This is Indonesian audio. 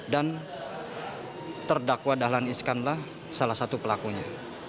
dan terdakwa dahlan iskanlah salah satu pelakunya